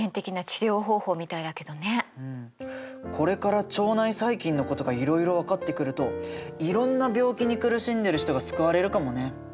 これから腸内細菌のことがいろいろ分かってくるといろんな病気に苦しんでる人が救われるかもね。